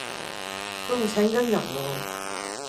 佢仲請緊人喎